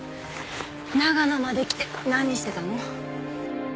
長野まで来て何してたの？